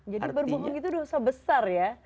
jadi berbohong itu dosa besar ya